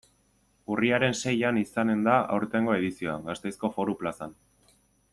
Urriaren seian izanen da aurtengo edizioa, Gasteizko Foru Plazan.